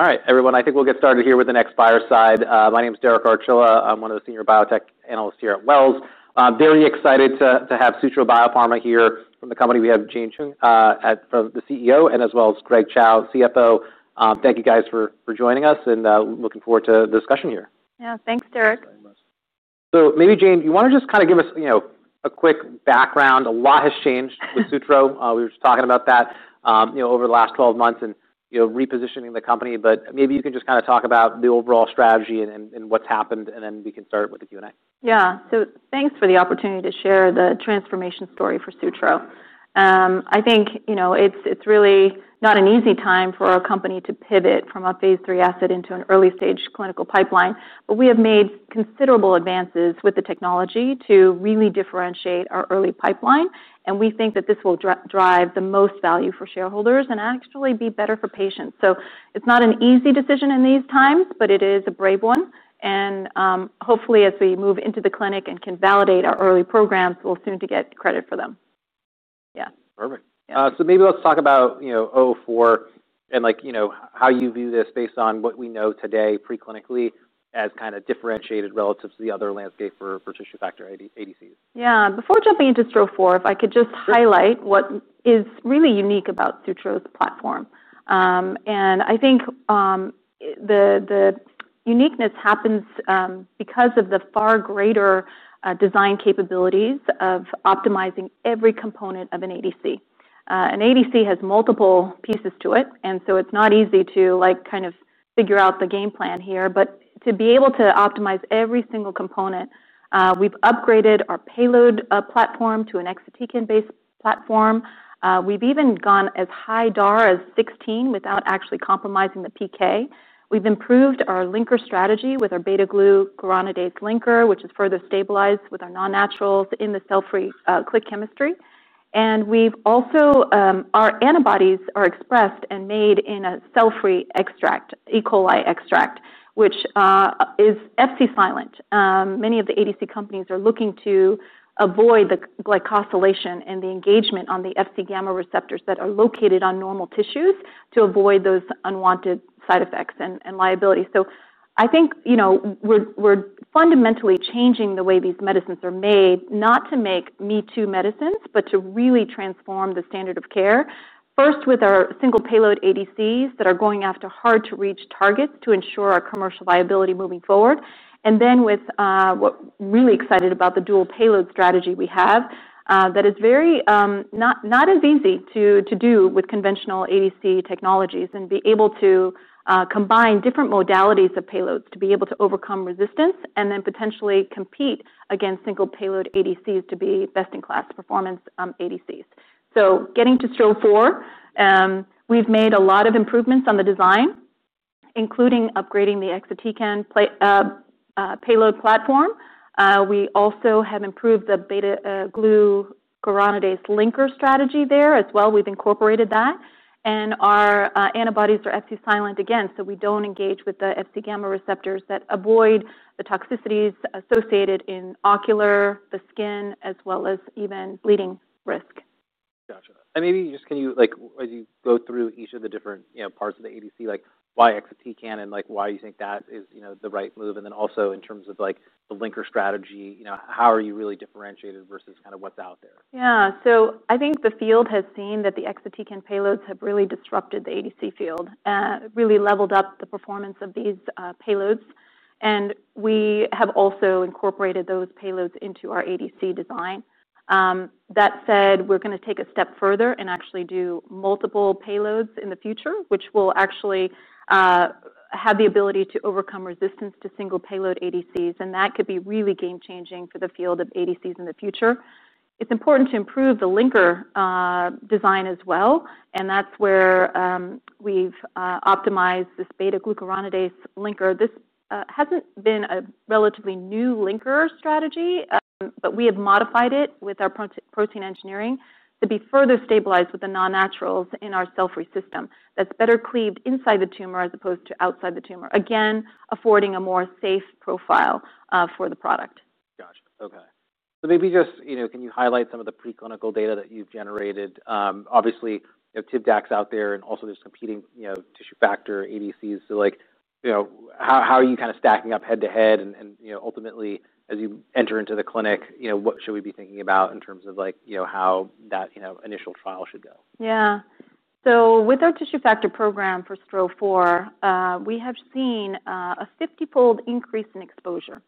... All right, everyone, I think we'll get started here with the next fireside. My name is Derek Archilla. I'm one of the senior biotech analysts here at Wells. I'm very excited to have Sutro Biopharma here. From the company, we have Jane Chung as the CEO, and as well as Greg Chow, CFO. Thank you guys for joining us, and looking forward to the discussion here. Yeah. Thanks, Derek. Thanks. So maybe, Jane, you wanna just kind of give us, you know, a quick background? A lot has changed with Sutro. We were just talking about that, you know, over the last 12 months and, you know, repositioning the company. But maybe you can just kind of talk about the overall strategy and what's happened, and then we can start with the Q&A. Yeah. So thanks for the opportunity to share the transformation story for Sutro. I think, you know, it's really not an easy time for a company to pivot from a Phase 3 asset into an early-stage clinical pipeline. But we have made considerable advances with the technology to really differentiate our early pipeline, and we think that this will drive the most value for shareholders and actually be better for patients. So it's not an easy decision in these times, but it is a brave one, and hopefully, as we move into the clinic and can validate our early programs, we'll soon get credit for them. Yeah. Perfect. Yeah. Maybe let's talk about, you know, STRO-004 and, like, you know, how you view this based on what we know today preclinically as kind of differentiated relative to the other landscape for tissue factor ADCs. Yeah. Before jumping into STRO-004, if I could just- Sure... highlight what is really unique about Sutro's platform. And I think the uniqueness happens because of the far greater design capabilities of optimizing every component of an ADC. An ADC has multiple pieces to it, and so it's not easy to, like, kind of figure out the game plan here. But to be able to optimize every single component, we've upgraded our payload platform to an exatecan-based platform. We've even gone as high DAR as 16 without actually compromising the PK. We've improved our linker strategy with our beta-glucuronidase linker, which is further stabilized with our non-naturals in the cell-free click chemistry. And we've also... Our antibodies are expressed and made in a cell-free extract, E. coli extract, which is Fc silent. Many of the ADC companies are looking to avoid the glycosylation and the engagement on the Fc gamma receptors that are located on normal tissues to avoid those unwanted side effects and liability. So I think, you know, we're fundamentally changing the way these medicines are made, not to make me-too medicines, but to really transform the standard of care, first with our single-payload ADCs that are going after hard-to-reach targets to ensure our commercial viability moving forward, and then with really excited about the dual payload strategy we have, that is very not as easy to do with conventional ADC technologies and be able to combine different modalities of payloads to be able to overcome resistance and then potentially compete against single-payload ADCs to be best-in-class performance ADCs. So getting to STRO-004, we've made a lot of improvements on the design, including upgrading the exatecan payload platform. We also have improved the beta-glucuronidase linker strategy there as well. We've incorporated that, and our antibodies are Fc silent again, so we don't engage with the Fc gamma receptors that avoid the toxicities associated in ocular, the skin, as well as even bleeding risk. Gotcha. And maybe just, can you, like, as you go through each of the different, you know, parts of the ADC, like why exatecan and, like, why you think that is, you know, the right move? And then also in terms of, like, the linker strategy, you know, how are you really differentiated versus kind of what's out there? Yeah, so I think the field has seen that the exatecan payloads have really disrupted the ADC field and really leveled up the performance of these payloads, and we have also incorporated those payloads into our ADC design. That said, we're gonna take a step further and actually do multiple payloads in the future, which will actually have the ability to overcome resistance to single-payload ADCs, and that could be really game-changing for the field of ADCs in the future. It's important to improve the linker design as well, and that's where we've optimized this beta-glucuronidase linker. This hasn't been a relatively new linker strategy, but we have modified it with our proprietary protein engineering to be further stabilized with the non-naturals in our cell-free system. That's better cleaved inside the tumor as opposed to outside the tumor, again, affording a more safe profile for the product. Gotcha. Okay. So maybe just, you know, can you highlight some of the preclinical data that you've generated? Obviously, you know, Tivdak out there and also there's competing, you know, tissue factor ADCs. So, like, you know, how are you kind of stacking up head-to-head? And, you know, ultimately, as you enter into the clinic, you know, what should we be thinking about in terms of, like, you know, how that, you know, initial trial should go? Yeah. So with our tissue factor program for STRO-004, we have seen a 50-fold increase in exposure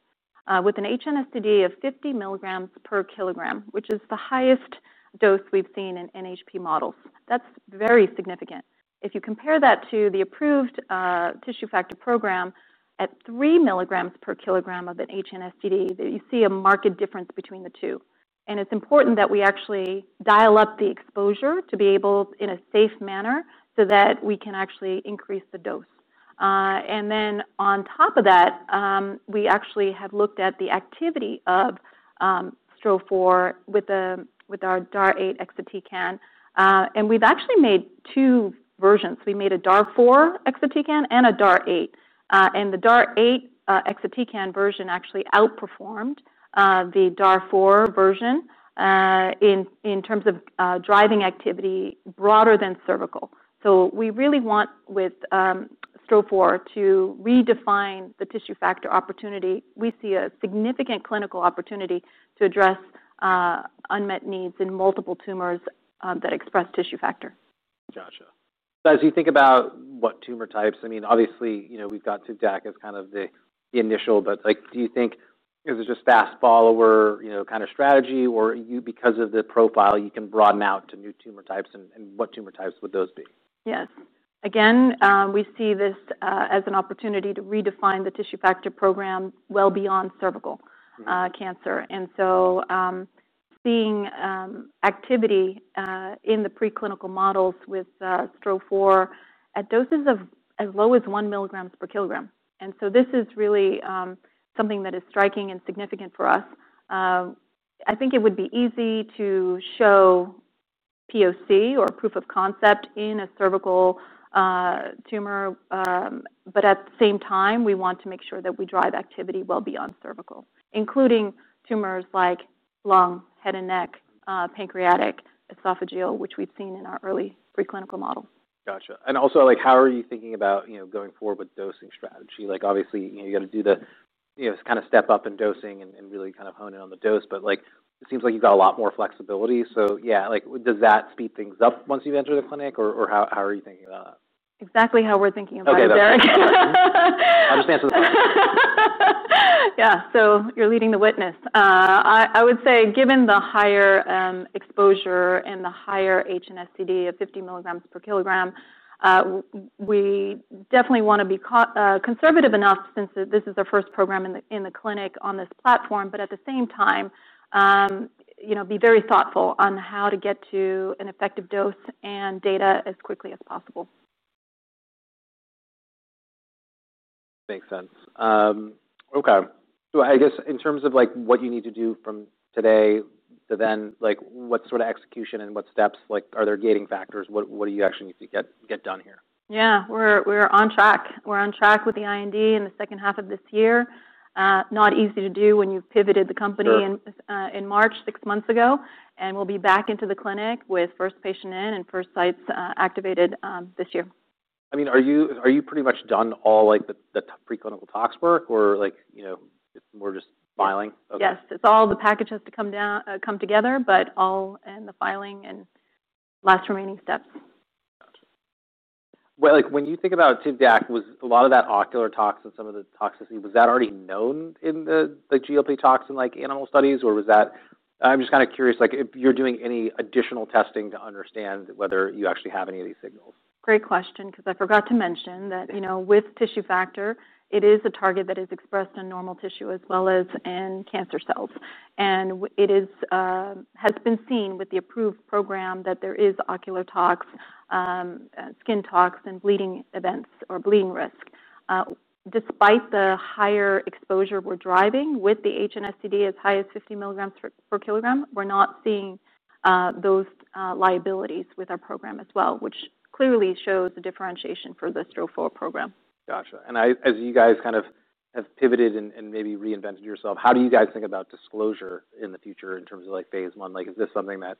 with an HNSTD of 50 mg per kg, which is the highest dose we've seen in NHP models. That's very significant. If you compare that to the approved tissue factor program at 3 mg per kg of an HNSTD, you see a marked difference between the two, and it's important that we actually dial up the exposure to be able, in a safe manner, so that we can actually increase the dose. And then on top of that, we actually have looked at the activity of STRO-004 with our DAR8 exatecan, and we've actually made two versions. We made a DAR4 exatecan and a DAR8. And the DAR8 exatecan version actually outperformed the DAR4 version in terms of driving activity broader than cervical. So we really want with STRO-004 to redefine the tissue factor opportunity. We see a significant clinical opportunity to address unmet needs in multiple tumors that express tissue factor. Gotcha. So as you think about what tumor types, I mean, obviously, you know, we've got Tivdak as kind of the initial, but, like, do you think is it just fast follower, you know, kind of strategy, or you, because of the profile, you can broaden out to new tumor types? And what tumor types would those be? Yes. Again, we see this as an opportunity to redefine the tissue factor program well beyond cervical- Mm. Cancer. So, seeing activity in the preclinical models with STRO-004 at doses of as low as 1 mg per kilogram, and so this is really something that is striking and significant for us. I think it would be easy to show POC, or proof of concept, in a cervical tumor, but at the same time, we want to make sure that we drive activity well beyond cervical, including tumors like lung, head and neck, pancreatic, esophageal, which we've seen in our early preclinical models. Gotcha. And also, like, how are you thinking about, you know, going forward with dosing strategy? Like, obviously, you know, you gotta do the, you know, kind of step up in dosing and really kind of hone in on the dose, but, like, it seems like you've got a lot more flexibility. So yeah, like, does that speed things up once you've entered the clinic, or how are you thinking about that? Exactly how we're thinking about it, Derek. Okay, that's... I'm just asking. Yeah, so you're leading the witness. I would say, given the higher exposure and the higher HNSTD of 50 mg per kg, we definitely wanna be conservative enough since this is our first program in the clinic on this platform, but at the same time, you know, be very thoughtful on how to get to an effective dose and data as quickly as possible. Makes sense. Okay, so I guess in terms of, like, what you need to do from today to then, like, what sort of execution and what steps? Like, are there gating factors? What do you actually need to get done here? Yeah, we're on track. We're on track with the IND in the second half of this year. Not easy to do when you've pivoted the company- Sure... in March, six months ago, and we'll be back into the clinic with first patient in and first sites, activated, this year. I mean, are you pretty much done all, like, the preclinical tox work or, like, you know, more just filing? Okay. Yes, it's all the packages to come down, come together, but all in the filing and last remaining steps. Gotcha. Well, like, when you think about Tivdak, was a lot of that ocular tox and some of the toxicity, was that already known in the GLP tox, like animal studies, or was that... I'm just kind of curious, like if you're doing any additional testing to understand whether you actually have any of these signals? Great question, 'cause I forgot to mention that, you know, with tissue factor, it is a target that is expressed in normal tissue as well as in cancer cells. And it has been seen with the approved program that there is ocular tox, skin tox, and bleeding events or bleeding risk. Despite the higher exposure we're driving with the HNSTD as high as 50 mg per kg, we're not seeing those liabilities with our program as well, which clearly shows the differentiation for the STRO-004 program. Gotcha. And as you guys kind of have pivoted and maybe reinvented yourself, how do you guys think about disclosure in the future in terms of, like, Phase 1? Like, is this something that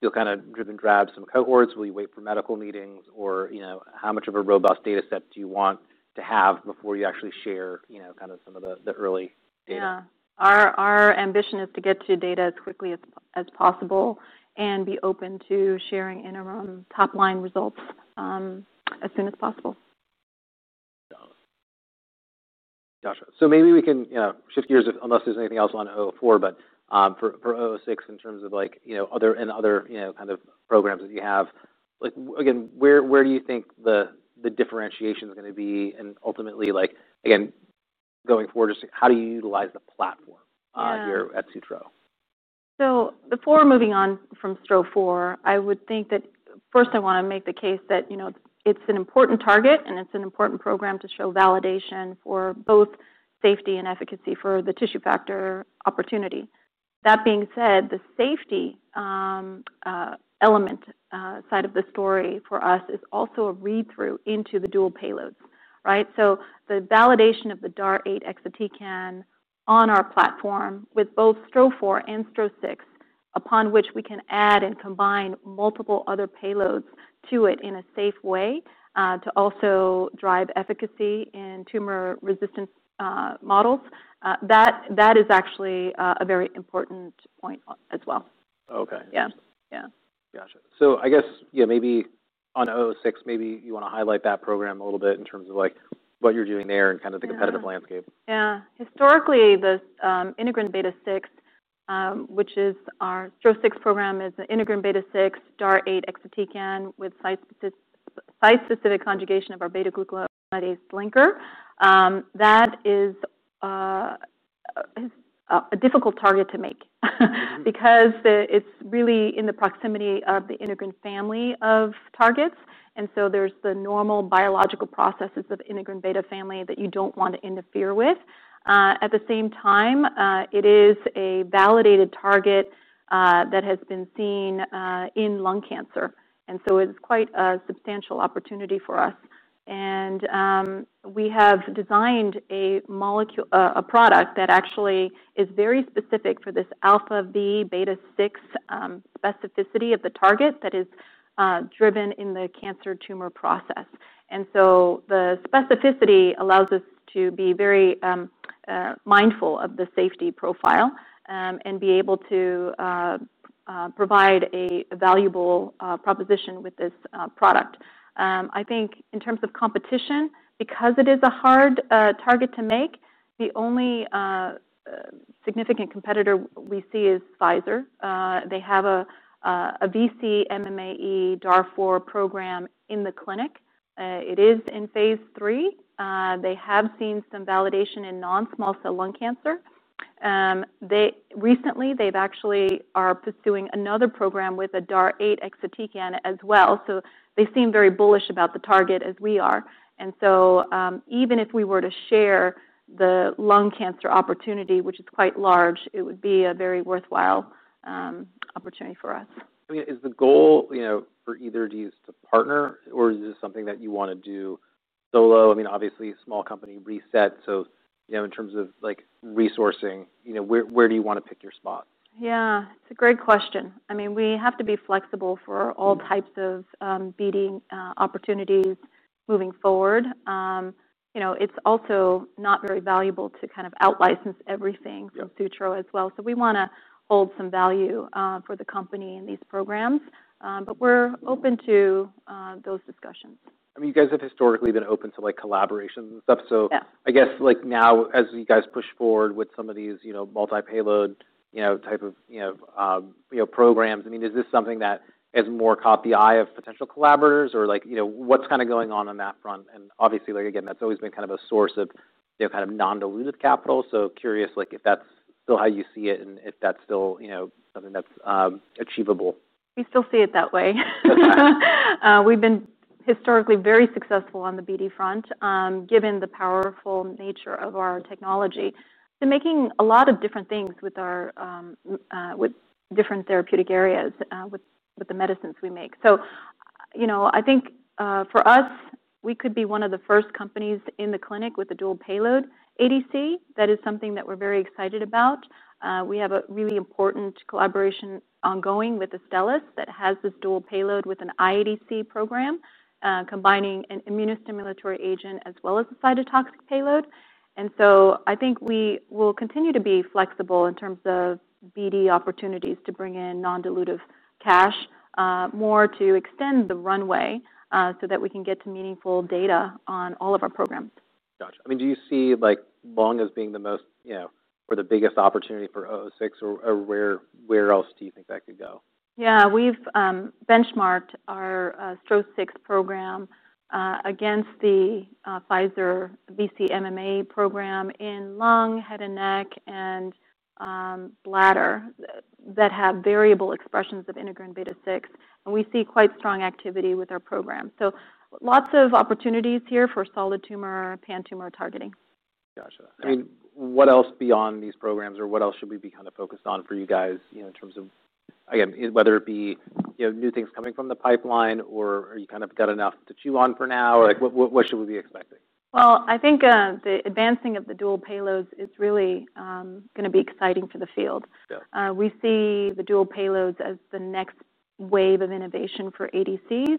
you'll kind of dribs and drabs some cohorts? Will you wait for medical meetings or, you know, how much of a robust data set do you want to have before you actually share, you know, kind of some of the early data? Yeah. Our ambition is to get to data as quickly as possible and be open to sharing interim top-line results as soon as possible. Gotcha, so maybe we can, you know, shift gears, unless there's anything else on STRO-004, but for STRO-006, in terms of like, you know, other kind of programs that you have. Like, again, where do you think the differentiation is gonna be, and ultimately, like, again, going forward, just how do you utilize the platform- Yeah... here at Sutro? So before moving on from STRO-004, I would think that first I wanna make the case that, you know, it's an important target, and it's an important program to show validation for both safety and efficacy for the tissue factor opportunity. That being said, the safety element side of the story for us is also a read-through into the dual payloads, right? So the validation of the DAR8 exatecan on our platform, with both STRO-004 and STRO-006, upon which we can add and combine multiple other payloads to it in a safe way, to also drive efficacy in tumor-resistant models, that is actually a very important point as well. Okay. Yeah, yeah. Gotcha. So I guess, yeah, maybe on STRO-006, maybe you wanna highlight that program a little bit in terms of, like, what you're doing there and kind of the- Yeah... competitive landscape. Yeah. Historically, the integrin beta-6, which is our STRO-006 program, is an integrin beta-6, DAR8 exatecan with site-specific conjugation of our beta-glucuronidase linker. That is a difficult target to make, Mm-hmm. Because it's really in the proximity of the integrin family of targets, and so there's the normal biological processes of integrin beta family that you don't want to interfere with. At the same time, it is a validated target that has been seen in lung cancer, and so it's quite a substantial opportunity for us, and we have designed a molecule, a product that actually is very specific for this alpha V beta-6 specificity of the target that is driven in the cancer tumor process, and so the specificity allows us to be very mindful of the safety profile, and be able to provide a valuable proposition with this product. I think in terms of competition, because it is a hard target to make, the only significant competitor we see is Pfizer. They have a VC-MMAE DAR4 program in the clinic. It is in Phase 3. They have seen some validation in non-small cell lung cancer. They recently actually are pursuing another program with a DAR8 exatecan as well, so they seem very bullish about the target, as we are. And so, even if we were to share the lung cancer opportunity, which is quite large, it would be a very worthwhile opportunity for us. I mean, is the goal, you know, for either of yous to partner, or is this something that you wanna do solo? I mean, obviously, small company reset, so, you know, in terms of, like, resourcing, you know, where, where do you wanna pick your spot? Yeah, it's a great question. I mean, we have to be flexible for- Mm-hmm... all types of BD opportunities moving forward. You know, it's also not very valuable to kind of out-license everything- Yeah... from Sutro as well, so we wanna hold some value for the company in these programs, but we're open- Mm... to those discussions. I mean, you guys have historically been open to, like, collaborations and stuff, so. Yeah... I guess, like, now, as you guys push forward with some of these, you know, multi-payload, you know, type of, you know, programs, I mean, is this something that has more caught the eye of potential collaborators? Or, like, you know, what's kind of going on on that front? And obviously, like, again, that's always been kind of a source of, you know, kind of non-dilutive capital, so curious, like, if that's still how you see it and if that's still, you know, something that's achievable. We still see it that way. Okay. We've been historically very successful on the BD front, given the powerful nature of our technology, to making a lot of different things with our, with different therapeutic areas, with the medicines we make. So, you know, I think, for us, we could be one of the first companies in the clinic with a dual payload ADC. That is something that we're very excited about. We have a really important collaboration ongoing with Astellas that has this dual payload with an iADC program, combining an immunostimulatory agent as well as a cytotoxic payload. And so I think we will continue to be flexible in terms of BD opportunities to bring in non-dilutive cash, more to extend the runway, so that we can get to meaningful data on all of our programs. Gotcha. I mean, do you see, like, lung as being the most, you know, or the biggest opportunity for 006, or, or where, where else do you think that could go? Yeah, we've benchmarked our STRO-006 program against the Pfizer VC-MMAE program in lung, head and neck, and bladder, that have variable expressions of integrin beta-6, and we see quite strong activity with our program, so lots of opportunities here for solid tumor, pan-tumor targeting. Gotcha. Yeah. I mean, what else beyond these programs, or what else should we be kind of focused on for you guys, you know, in terms of, again, whether it be, you know, new things coming from the pipeline, or are you kind of got enough to chew on for now? Mm-hmm. Like, what should we be expecting? I think the advancing of the dual payloads is really gonna be exciting for the field. Yeah. We see the dual payloads as the next wave of innovation for ADCs,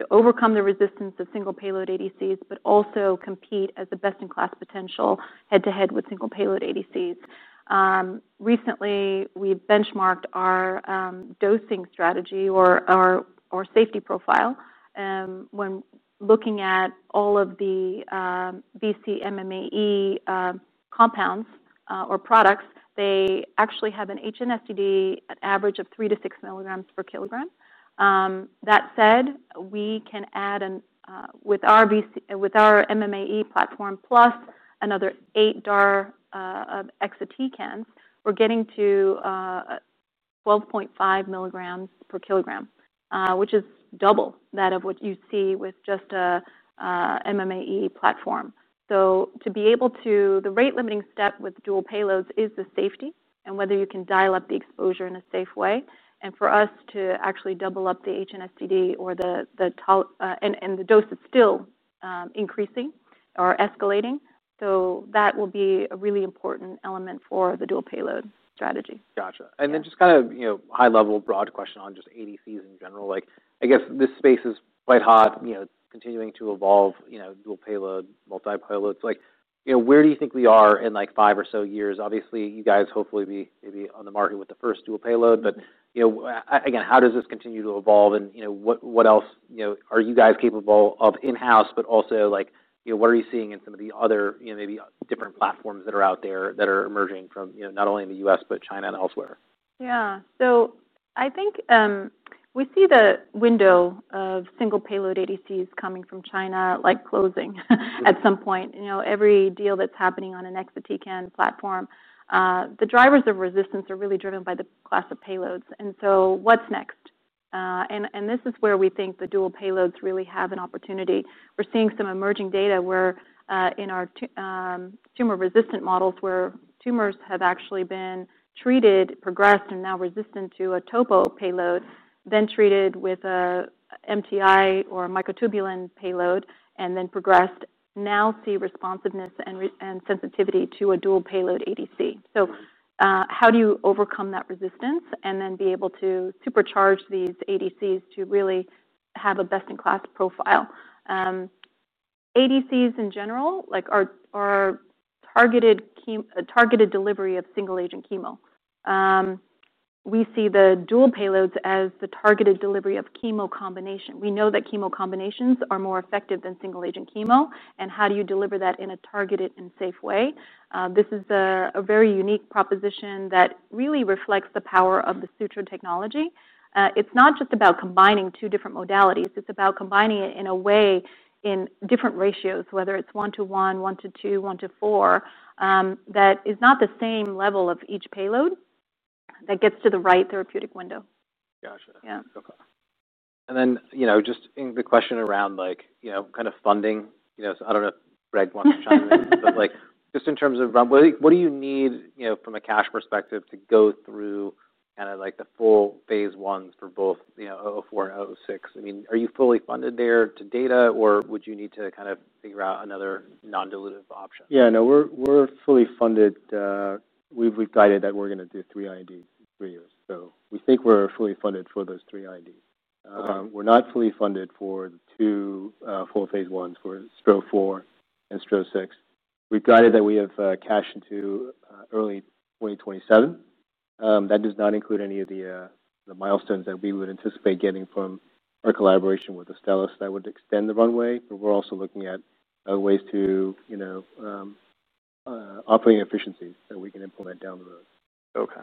to overcome the resistance of single payload ADCs, but also compete as a best-in-class potential head-to-head with single payload ADCs. Recently, we benchmarked our dosing strategy or our safety profile when looking at all of the VC-MMAE compounds or products. They actually have an HNSTD, an average of 3 mg to 6 mg per kg. That said, we can add an with our VC... With our MMAE platform plus another eight DAR exatecans, we're getting to 12.5 mg per kg, which is double that of what you'd see with just a MMAE platform. The rate limiting step with dual payloads is the safety and whether you can dial up the exposure in a safe way, and for us to actually double up the HNSTD or the tolerated dose is still increasing or escalating, so that will be a really important element for the dual payload strategy. Gotcha. Yeah. And then just kind of, you know, high-level, broad question on just ADCs in general. Like, I guess this space is quite hot, you know, it's continuing to evolve, you know, dual payload, multi-payload. It's like, you know, where do you think we are in, like, five or so years? Obviously, you guys hopefully be maybe on the market with the first dual payload. Mm-hmm. But, you know, again, how does this continue to evolve, and, you know, what else, you know, are you guys capable of in-house? But also, like, you know, what are you seeing in some of the other, you know, maybe different platforms that are out there that are emerging from, you know, not only in the U.S., but China and elsewhere? Yeah, so I think we see the window of single payload ADCs coming from China, like, closing at some point. Mm-hmm. You know, every deal that's happening on an exatecan platform, the drivers of resistance are really driven by the class of payloads. And so what's next? And this is where we think the dual payloads really have an opportunity. We're seeing some emerging data where, in our tumor-resistant models, where tumors have actually been treated, progressed, and now resistant to a topo payload, then treated with a MTI or a microtubule payload, and then progressed, now see responsiveness and re- and sensitivity to a dual payload ADC. Mm. So, how do you overcome that resistance and then be able to supercharge these ADCs to really have a best-in-class profile? ADCs in general, like, are targeted delivery of single-agent chemo. We see the dual payloads as the targeted delivery of chemo combination. We know that chemo combinations are more effective than single-agent chemo, and how do you deliver that in a targeted and safe way? This is a very unique proposition that really reflects the power of the Sutro technology. It's not just about combining two different modalities, it's about combining it in a way, in different ratios, whether it's one to one, one to two, one to four, that is not the same level of each payload that gets to the right therapeutic window. Gotcha. Yeah. Okay. And then, you know, just in the question around, like, you know, kind of funding, you know, so I don't know if Greg wants to chime in. But, like, just in terms of runway, what do you need, you know, from a cash perspective, to go through kinda, like, the full Phase 1 for both, you know, STRO-004 and STRO-006? I mean, are you fully funded there to data, or would you need to kind of figure out another non-dilutive option? Yeah, no, we're fully funded. We've guided that we're gonna do three INDs in three years. So we think we're fully funded for those three INDs. Okay. We're not fully funded for the two full Phase 1's for STRO-004 and STRO-006. We've guided that we have cash into early 2027. That does not include any of the milestones that we would anticipate getting from our collaboration with Astellas. That would extend the runway, but we're also looking at other ways to, you know, operating efficiencies that we can implement down the road. Okay.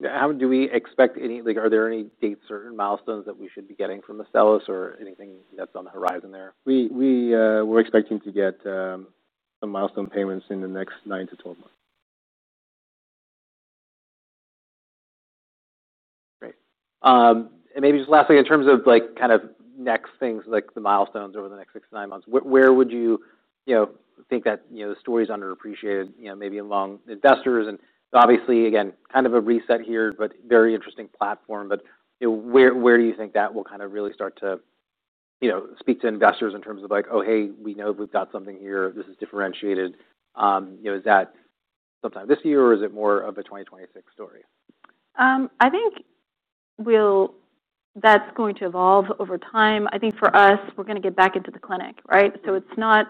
Yeah, do we expect any, like, are there any dates or milestones that we should be getting from Astellas or anything that's on the horizon there? We're expecting to get some milestone payments in the next nine to 12 months. Great. And maybe just lastly, in terms of, like, kind of next things, like the milestones over the next six to nine months, where would you, you know, think that, you know, the story is underappreciated? You know, maybe among investors and obviously, again, kind of a reset here, but very interesting platform. But, you know, where do you think that will kind of really start to, you know, speak to investors in terms of like, "Oh, hey, we know we've got something here. This is differentiated." You know, is that sometime this year, or is it more of a 2026 story? I think we'll... That's going to evolve over time. I think for us, we're gonna get back into the clinic, right? So it's not,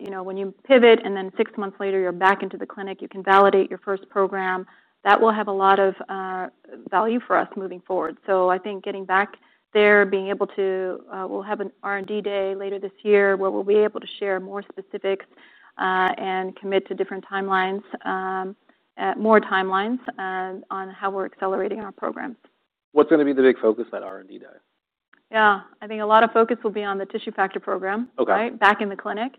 you know, when you pivot, and then six months later, you're back into the clinic, you can validate your first program. That will have a lot of value for us moving forward. So I think getting back there, being able to, We'll have an R&D day later this year, where we'll be able to share more specifics, and commit to different timelines, more timelines, on how we're accelerating our programs. What's gonna be the big focus at R&D Day? Yeah. I think a lot of focus will be on the tissue factor program- Okay. -right? Back in the clinic.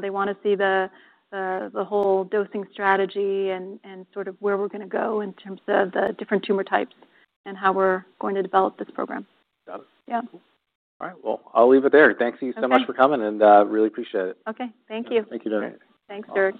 They wanna see the whole dosing strategy and sort of where we're gonna go in terms of the different tumor types and how we're going to develop this program. Got it. Yeah. All right. Well, I'll leave it there. Okay. Thank you so much for coming, and, really appreciate it. Okay. Thank you. Thank you very much. Thanks, Derek.